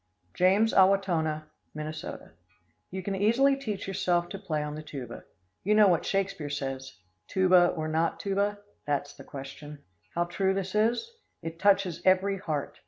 James, Owatonna, Minn. You can easily teach yourself to play on the tuba. You know what Shakespeare says: "Tuba or not tuba? That's the question." How true this is? It touches every heart.